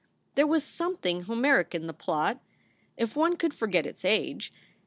There was something Homeric in the plot, if one could forget its age.